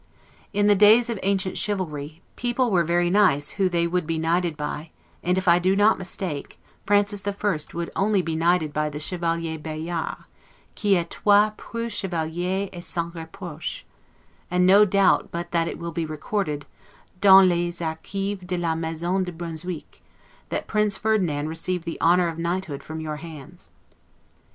In the days of ancient chivalry, people were very nice who they would be knighted by and, if I do not mistake, Francis the First would only be knighted by the Chevalier Bayard, 'qui etoit preux Chevalier et sans reproche'; and no doubt but it will be recorded, 'dans les archives de la Maison de Brunswick', that Prince Ferdinand received the honor of knighthood from your hands.